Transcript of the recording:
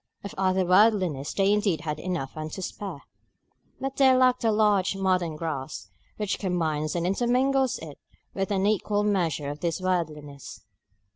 Of other worldliness they indeed had enough and to spare; but they lacked the large modern grasp which combines and intermingles it with an equal measure of this worldliness.